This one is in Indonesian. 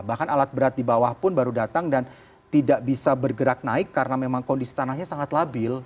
bahkan alat berat di bawah pun baru datang dan tidak bisa bergerak naik karena memang kondisi tanahnya sangat labil